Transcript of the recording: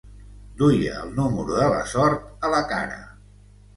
Duia el número de la sort a la cara.